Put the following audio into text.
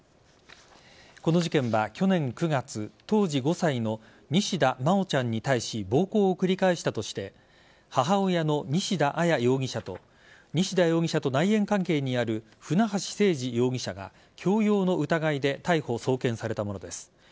この事件は去年９月当時５歳の西田真愛ちゃんに対し暴行を繰り返したとして母親の西田彩容疑者と西田容疑者と内縁関係にある船橋誠二容疑者が強要の疑いで逮捕、送検されたものです。